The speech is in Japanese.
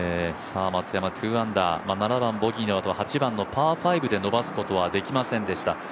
松山、２アンダー、７番ボギーのあと８番のパー５で伸ばすことはできませんでした。